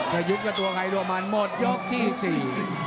แต่ยุบกับตัวไหนดูว่ามันหมดยกที่สี่